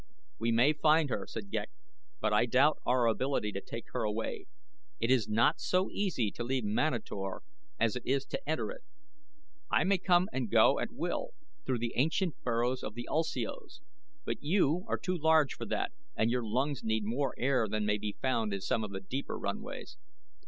"We may find her," said Ghek; "but I doubt our ability to take her away. It is not so easy to leave Manator as it is to enter it. I may come and go at will, through the ancient burrows of the ulsios; but you are too large for that and your lungs need more air than may be found in some of the deeper runways."